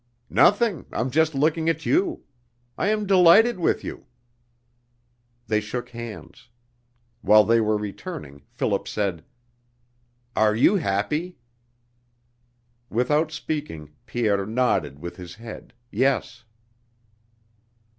"Nothing. I'm just looking at you. I am delighted with you." They shook hands. While they were returning Philip said: "Are you happy?" Without speaking Pierre nodded with his head yes.